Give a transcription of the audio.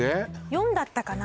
４だったかな